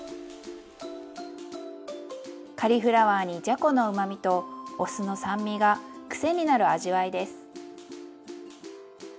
カリフラワーにじゃこのうまみとお酢の酸味が癖になる味わいです。